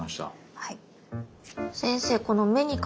はい。